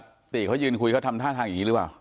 ติเขายืนคุยเขาทำท่าทางอย่างนี้หรือเปล่า